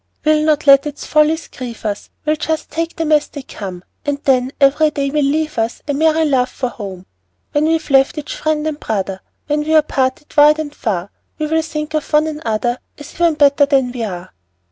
We'll not let its follies grieve us, We'll just take them as they come; And then every day will leave us A merry laugh for home. When we've left each friend and brother, When we're parted wide and far, We will think of one another, As even better than we are.